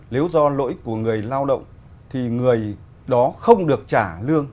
nếu do lỗi của người lao động thì người đó không được trả lương